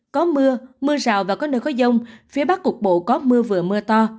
có mưa mưa rào và có nơi có dông phía bắc cục bộ có mưa vừa mưa to